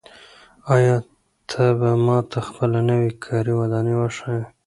آیا ته به ماته خپله نوې کاري ودانۍ وښایې؟